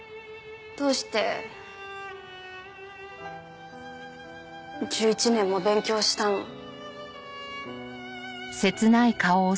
どうして１１年も勉強したの？